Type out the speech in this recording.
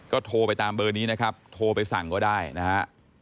ก็โทรไปตามเบอร์นี้นะครับโทรไปสั่งก็ได้นะฮะ